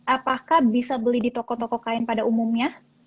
apakah bisa beli di toko toko kain pada umumnya